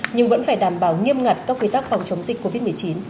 nhưng vẫn phải đảm bảo nghiêm ngặt các quy tắc phòng chống dịch covid một mươi chín